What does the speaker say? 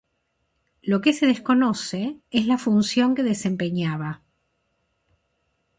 Lo que se desconoce es la función que desempeñaba.